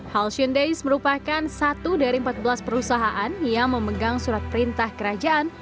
halction days merupakan satu dari empat belas perusahaan yang memegang surat perintah kerajaan